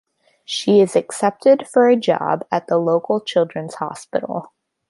She is accepted for a job at the local children's hospital.